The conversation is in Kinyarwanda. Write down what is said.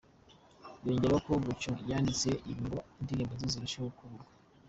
Yongeyeho ko Gucci yanditse ibi ngo indirimbo ze zirusheho kugurwa.